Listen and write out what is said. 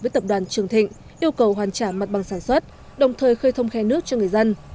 với tập đoàn trường thịnh yêu cầu hoàn trả mặt bằng sản xuất đồng thời khơi thông khe nước cho người dân